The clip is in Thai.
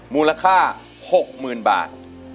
มูลค่า๖๐๐๐บาท